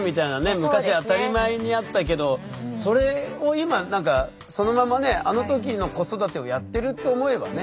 昔当たり前にあったけどそれを今何かそのままねあの時の子育てをやってると思えばね。